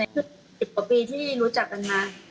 คือ๑๐กว่าปีที่รู้จักกันมา